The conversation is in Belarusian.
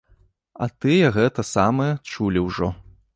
А тыя гэта самае чулі ўжо.